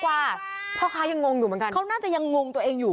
ก็เลยซื้อมาสนอยสองถุง